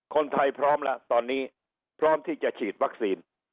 คนไทยพร้อมแล้วตอนนี้พร้อมที่จะฉีดวัคซีน